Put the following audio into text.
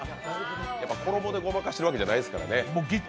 衣でごまかしてるわけじゃないですからね。